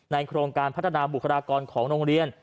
โครงการพัฒนาบุคลากรของโรงเรียน